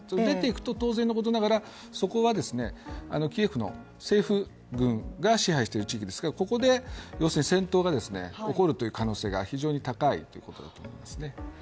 出ていくと当然のことながら、そこはキエフの政府軍が支配している地域ですからここで戦闘が起こるという可能性が非常に高いということですね。